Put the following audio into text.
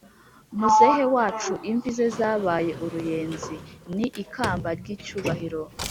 muzehe wacu imvi ze zabaye uruyenzi ni ikamba ry’icyubahiro,